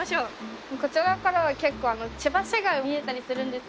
こちらからは結構千葉市街が見えたりするんです。